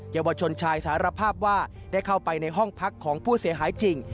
เยาวชนชายสารภาพว่าได้เข้าไปในห้องพักของผู้เสียหายจริง